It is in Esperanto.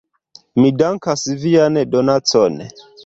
Mi dankas vian donacon.